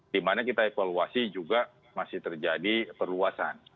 di mana kita evaluasi juga masih terjadi perluasan